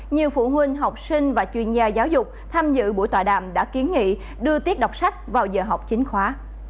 nhiều phụ huynh học sinh và chuyên gia giáo dục tham dự buổi tòa đàm đã kiến nghị đưa tiết đọc sách vào giờ học chính khóa